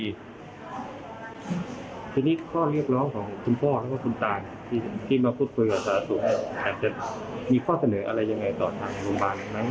ทีนี้ข้อเรียกร้องของคุณพ่อหรือว่าคุณตาที่มาพูดคุยกับสาธารณสุขอาจจะมีข้อเสนออะไรยังไงต่อทางโรงพยาบาลไหม